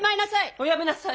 おやめなさい。